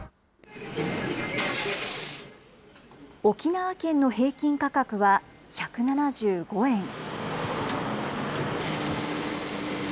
沖縄県の平均価格は１７５円。